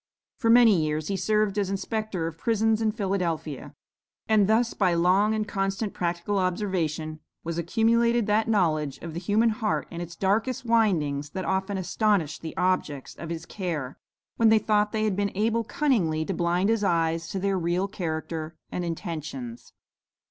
For many years he served as inspector of prisons in Philadelphia, and thus, by long and constant practical observation, was accumulated that knowledge of the human heart in its darkest windings, that often astonished the objects of his care, when they thought they had been able cunningly to blind his eyes to their real character and intentions.